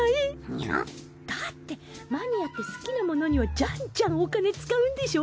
だってマニアって好きなものにはジャンジャンお金使うんでしょ？